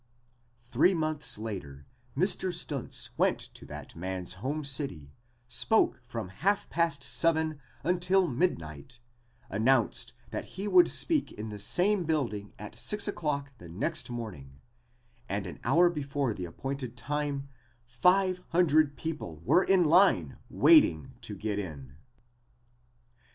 Three months later Mr. Stuntz went to that man's home city, spoke from half past seven until midnight, announced that he would speak in the same building at six o'clock the next morning, and an hour before the appointed time five hundred people were in line waiting to get in.